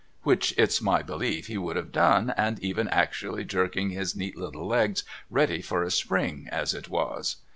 ' which it's my belief he would have done and even actually jerking his neat little legs ready for a spring as it was.